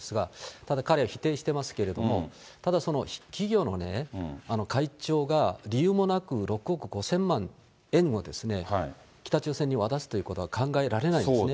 ただ、彼は否定していますけれども、ただその企業の会長が、理由もなく６億５０００万、北朝鮮に渡すということは考えられないですね。